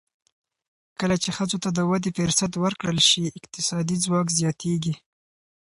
کله چې ښځو ته د ودې فرصت ورکړل شي، اقتصادي ځواک زیاتېږي.